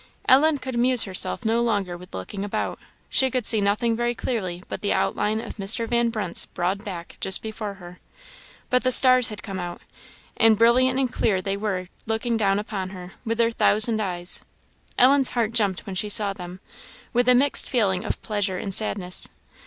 Ellen could amuse herself no longer with looking about; she could see nothing very clearly but the outline of Mr. Van Brunt's broad back, just before her. But the stars had come out! and brilliant and clear they were looking down upon her, with their thousand eyes. Ellen's heart jumped when she saw them, with a mixed feeling of pleasure and sadness.